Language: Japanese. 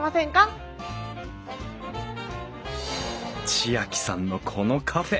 知亜季さんのこのカフェ